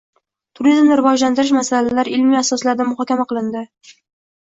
Turizmni rivojlantirish masalalari ilmiy asoslarda muhokama qilindi